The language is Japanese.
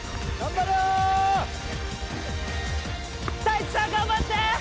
・・太一さん頑張って！